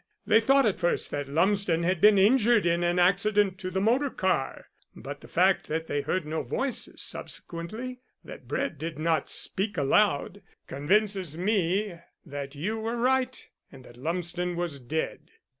They thought at first that Lumsden had been injured in an accident to the motor car, but the fact that they heard no voices subsequently that Brett did not speak aloud convinces me that you were right, and that Lumsden was dead.